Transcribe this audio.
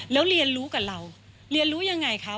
แล้วเรียนรู้กับเราเรียนรู้ยังไงคะ